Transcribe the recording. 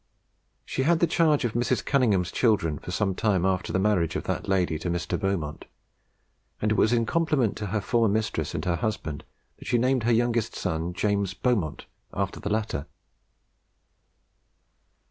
She had the charge of Mrs. Cunningham's children for some time after the marriage of that lady to Mr. Beaumont, and it was in compliment to her former mistress and her husband that she named her youngest son James Beaumont after the latter.